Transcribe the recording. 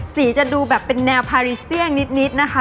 จะดูแบบเป็นแนวพารีเซียนนิดนะคะ